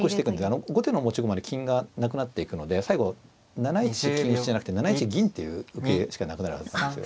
後手の持ち駒に金がなくなっていくので最後７一金打じゃなくて７一銀っていう受けしかなくなるはずですよ。